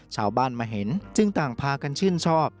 ชาวบ้านมาเห็นจึงต่างพากันชื่นชอบ